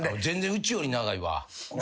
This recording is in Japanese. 全然うちより長いわ。